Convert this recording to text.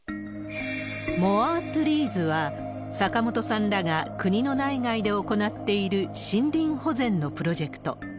モア・トゥリーズは、坂本さんらが国の内外で行っている森林保全のプロジェクト。